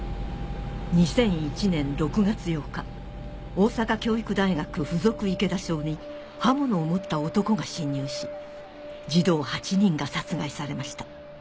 大阪教育大学附属池田小に刃物を持った男が侵入し児童８人が殺害されました